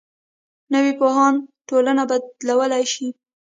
نوی پوهاند ټولنه بدلولی شي